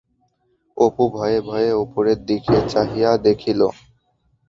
অপু ভয়ে ভয়ে উপরের দিকে চাহিয়া দেখিল।